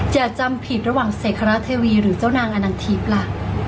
จะจำผิดระหว่างเศรษฐราชเทวีหรือเจ้านางอันนังทิพย์ล่ะ